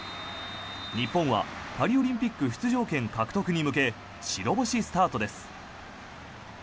日本はパリオリンピック出場権獲得に向け白星スタートです。